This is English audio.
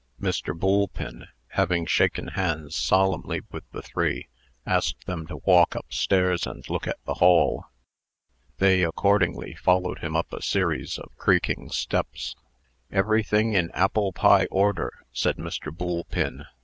Mr. Boolpin, having shaken hands solemnly with the three, asked them to walk up stairs and look at the hall. They accordingly followed him up a series of creaking steps. "Everything in apple pie order," said Mr. Boolpin.